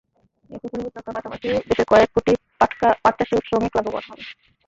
এতে পরিবেশ রক্ষার পাশাপাশি দেশের কয়েক কোটি পাটচাষি এবং শ্রমিক লাভবান হবে।